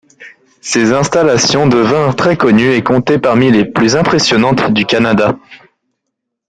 Ces installations devinrent très connues et comptaient parmi les plus impressionnantes du Canada.